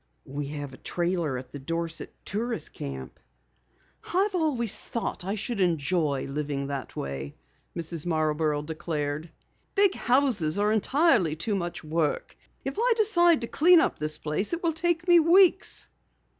"We have a trailer at the Dorset Tourist Camp." "I've always thought I should enjoy living that way," Mrs. Marborough declared. "Big houses are entirely too much work. If I decide to clean up this place, it will take me weeks."